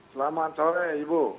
selamat sore ibu